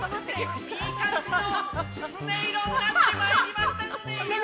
◆いい感じのキツネ色になってまいりました。